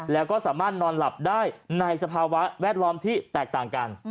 แล้วก็สามารถนอนหลับได้ในสภาวะแวดล้อมที่แตกต่างกัน